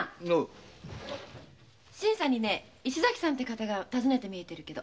新さんに石崎って方が訪ねて来てるけど。